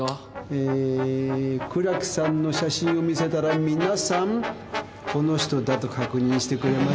えー苦楽さんの写真を見せたら皆さんこの人だと確認してくれました。